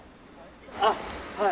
あっはい。